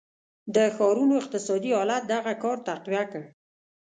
د ښارونو اقتصادي حالت دغه کار تقویه کړ.